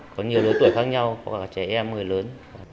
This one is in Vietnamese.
có nhiều lối tuổi khác nhau có cả trẻ em người lớn